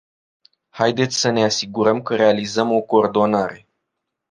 Haideți să ne asigurăm că realizăm o coordonare.